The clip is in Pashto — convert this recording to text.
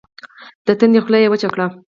د تندي خوله يې وچه کړه.